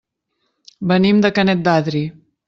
Venim de Canet d'Adri.